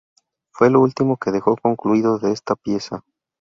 Fue lo último que dejó concluido de esta pieza.